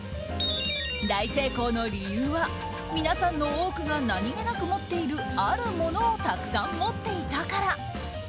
大成功の理由は、皆さんの多くがなにげなく持っているあるものをたくさん持っていたから。